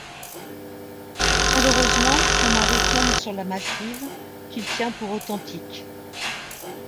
Malheureusement, son mari tombe sur la massive, qu'il tient pour authentique.